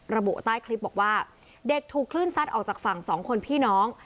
ระบุใต้คลิปบอกว่าเด็กถูกคลื่นซัดออกจากฝั่งสองคนพี่น้อง